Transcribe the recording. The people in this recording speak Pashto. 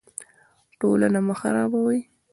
ټولنه مه خرابوئ